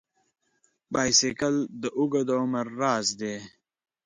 بایسکل د اوږده عمر راز دی.